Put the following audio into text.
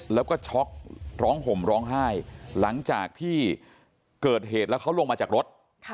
แล้วก็ช็อกร้องห่มร้องไห้หลังจากที่เกิดเหตุแล้วเขาลงมาจากรถ